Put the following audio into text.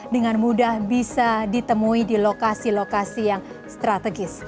dengan mudah bisa ditemui di lokasi lokasi yang strategis